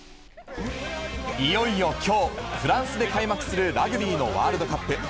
いよいよきょう、フランスで開幕するラグビーのワールドカップ。